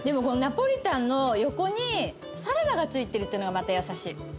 このナポリタンの横にサラダがついてるっていうのがまた優しい。